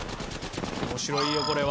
面白いよこれは。